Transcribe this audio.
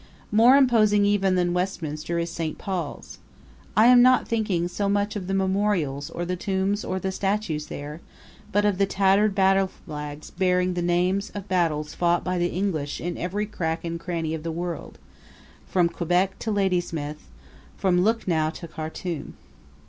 More imposing even than Westminster is St. Paul's. I am not thinking so much of the memorials or the tombs or the statues there, but of the tattered battleflags bearing the names of battles fought by the English in every crack and cranny of the world, from Quebec to Ladysmith, and from Lucknow to Khartum.